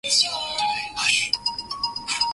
Serikali imewakumbuka wakulima wa zao la mwani